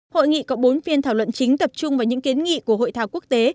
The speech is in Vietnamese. hội nghị có bốn phiên thảo luận chính tập trung vào những kiến nghị của hội thảo quốc tế